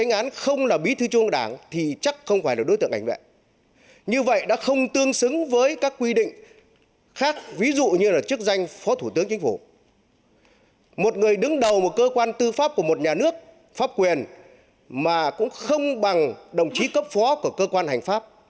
nhà nước pháp quyền mà cũng không bằng đồng chí cấp phó của cơ quan hành pháp